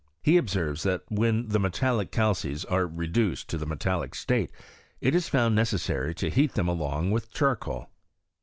iHe ■ obaervea that when the metallic calces are reduced to the metallic state it is found necessary to heat them along with charcoal.